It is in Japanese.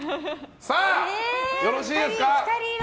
よろしいですか。